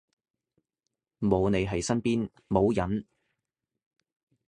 冇你喺身邊冇癮